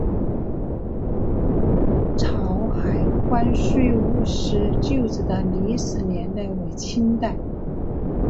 潮海关税务司旧址的历史年代为清代。